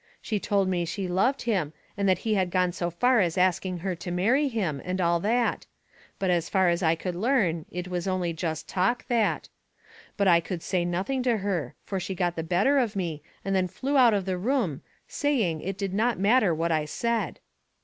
She told me she loved him, and that he had gone so far as asking her to marry him, and all that; but as far as I could learn, it was only just talk, that. But I could say nothing to her, for she got the better of me, and then flew out of the room, saying, it did not matter what I said."